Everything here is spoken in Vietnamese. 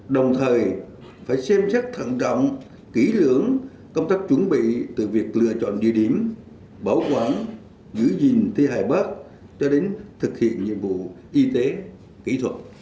đồng thời phải xem xét thận trọng kỹ lưỡng công tác chuẩn bị từ việc lựa chọn địa điểm bảo quản giữ gìn thi hài bắc cho đến thực hiện nhiệm vụ y tế kỹ thuật